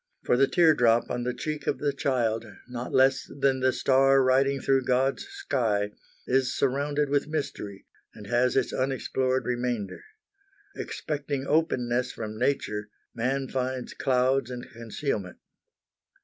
For the teardrop on the cheek of the child, not less than the star riding through God's sky, is surrounded with mystery, and has its unexplored remainder. Expecting openness from nature, man finds clouds and concealment.